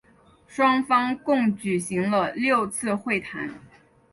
双方共举行了六次会谈。